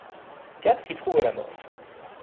Quatre y trouvent la mort.